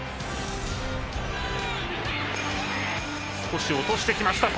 少し落としてきました。